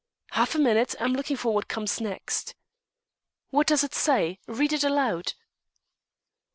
"Half a minute; I'm looking for what comes next." "What does it say? Read it aloud."